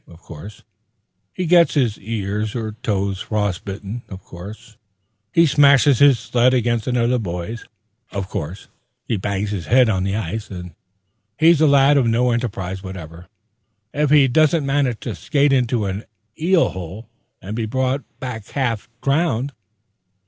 Of course he gets his ears or toes frost bitten; of course he smashes his sled against another boy's; of course be bangs his bead on the ice; and he's a lad of no enterprise whatever, if he doesn't manage to skate into an eel hole, and be brought home half drowned.